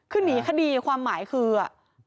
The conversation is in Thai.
คือหนีคดีความหมายคือ